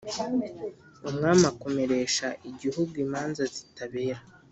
umwami akomeresha igihugu imanza zitabera